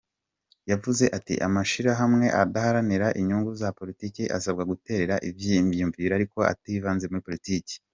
Yavuze ati: "Amashirahamwe adaharanira inyungu za politike abasabwa guterera ivyiyumviro ariko ativanze muri politike".